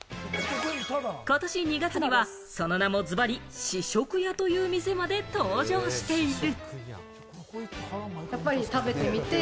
ことし２月には、その名もズバリ、試食屋という店まで登場している。